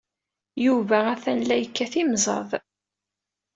Yuba atan la yekkat imẓad.